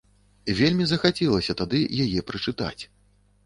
Вельмі захацелася тады яе прачытаць.